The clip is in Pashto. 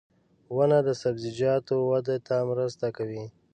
• ونه د سبزیجاتو وده ته مرسته کوي.